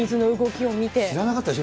知らなかったでしょ。